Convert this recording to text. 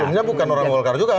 umumnya bukan orang golkar juga